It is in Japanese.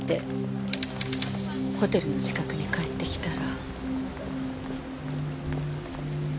ホテルの近くに帰ってきたら。